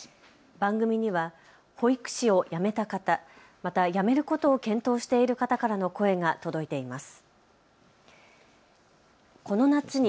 番組には保育士を辞めた方、また辞めることを検討している方からの声が届いています。